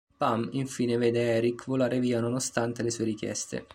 Pam, infine, vede Eric volare via nonostante le sue richieste.